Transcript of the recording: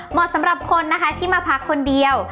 สำหรับคนนะคะที่มาพักคนเดียว